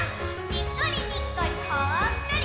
にっこりにっこりほっこり！